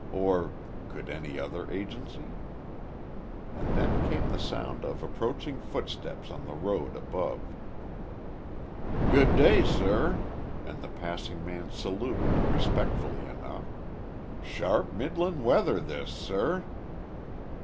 Or could any other agency? And then came the sound of approaching footsteps on the road above. "Good day, sir," and the passing man saluted, respectfully enough. "Sharp, middlin' weather, this, sir?"